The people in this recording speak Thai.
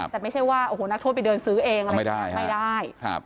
แต่ไม่ใช่ว่าโอ้โหนักโทษไปเดินซื้อเองอะไรไม่ได้